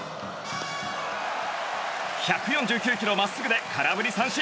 １４９キロまっすぐで空振り三振。